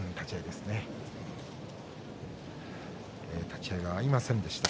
立ち合いが合いませんでした。